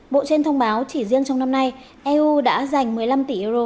bộ trên thông báo chỉ riêng trong năm nay eu đã giành một mươi năm tỷ euro